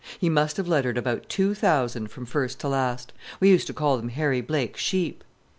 He must have lettered about two thousand from first to last. We used to call them Harry Blake's sheep.